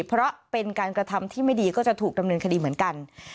เพราะเป็นการกระทำที่ไม่ดีก็จะถูกดำเนินคดีเหมือนกัน